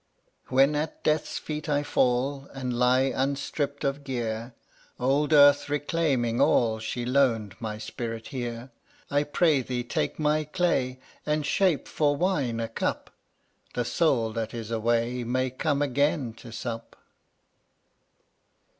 f £mair 0Urt<$ When at Death's feet I fall And lie unstripped of gear, £' Old Earth reclaiming all She loaned my spirit here, I pray thee take my clay And shape for wine a cup; The Soul that is away May come again to sup.